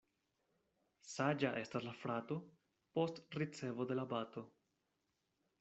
Saĝa estas la frato post ricevo de la bato.